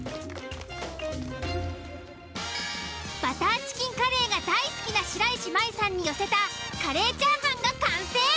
バターチキンカレーが大好きな白石麻衣さんに寄せたカレーチャーハンが完成。